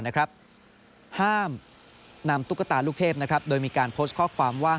ห้ามนำตุ๊กตาลูกเทพโดยมีการโพสต์ข้อความว่า